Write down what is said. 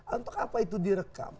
untuk apa itu direkam